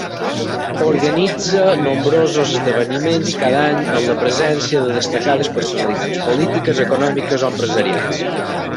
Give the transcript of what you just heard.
Organitza nombrosos esdeveniments cada any amb la presència de destacades personalitats polítiques, econòmiques o empresarials.